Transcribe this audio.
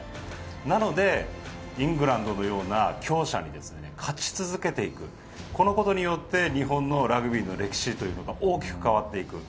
なので、イングランドのような強者に勝ち続けていくこのことによって日本のラグビーの歴史というのが大きく変わっていく。